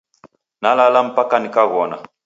Nalala mpaka nikaghona.